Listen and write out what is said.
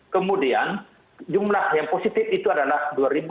kemudian jumlah yang positif itu adalah dua lima ratus sembilan puluh